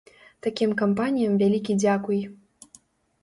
Такім кампаніям вялікі дзякуй.